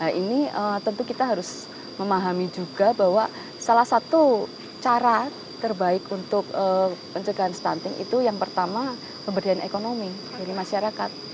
nah ini tentu kita harus memahami juga bahwa salah satu cara terbaik untuk pencegahan stunting itu yang pertama pemberdayaan ekonomi dari masyarakat